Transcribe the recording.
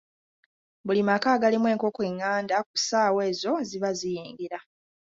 Buli maka agalimu enkoko enganda, ku ssaawa ezo ziba ziyingira.